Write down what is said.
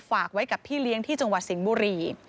ฝากไว้กับพี่เลี้ยงที่จังหวัดสิงห์บุรี